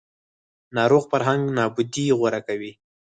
ناروغ فرهنګ نابودي غوره کوي